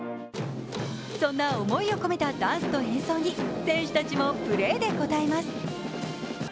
そんな思いを込めたダンスと演奏に選手たちもプレーで応えます。